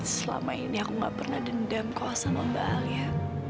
selama ini aku gak pernah dendam kok sama mbak alia